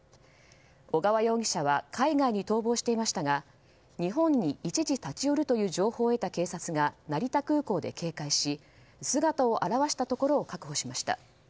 小川容疑者は海外に逃亡していましたが日本に一時立ち寄るという情報を得た警察が成田空港で警戒し姿を現したところを確保しました。